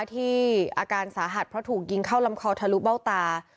อาการสาหัสเพราะถูกยิงเข้าลำคอทะลุเบ้าตา